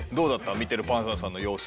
見てるパンサーさんの様子。